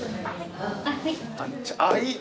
あっいい。